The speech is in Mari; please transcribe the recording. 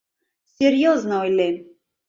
— Серьёзно ойлем.